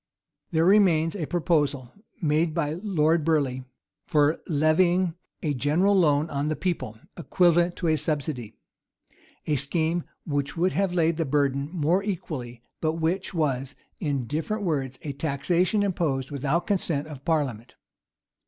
[] There remains a proposal, made by Lord Burleigh, for levying a general loan on the people, equivalent to a subsidy;[] a scheme which would have laid the burden more equally, but which was, in different words, a taxation imposed without consent of parliament.